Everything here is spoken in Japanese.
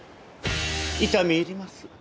痛み入ります。